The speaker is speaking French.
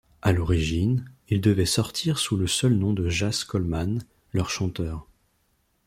À l'origine, il devait sortir sous le seul nom de Jaz Coleman, leur chanteur.